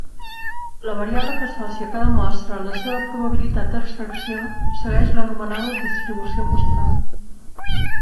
La variable que associa a cada mostra la seva probabilitat d'extracció, segueix l'anomenada distribució mostral.